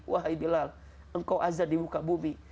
wahai bilal engkau azad di muka bumi